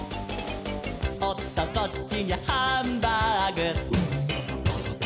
「おっとこっちにゃハンバーグ」